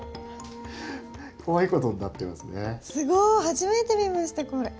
初めて見ましたこれ。